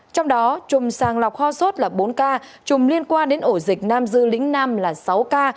trong đó chùm sàng lọc ho sốt là bốn ca chùm liên quan đến ổ dịch nam dư lĩnh nam là sáu ca